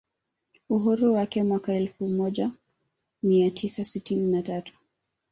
Uhuru wake mwaka wa elfu moja mia tisa sitini na tatu